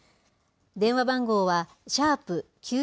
電話番号は＃